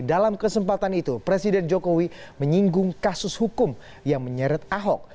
dalam kesempatan itu presiden jokowi menyinggung kasus hukum yang menyeret ahok